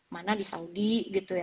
mana di saudi gitu ya